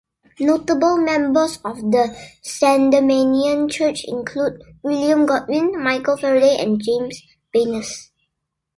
Notable members of the Sandemanian Church include William Godwin, Michael Faraday, and James Baynes.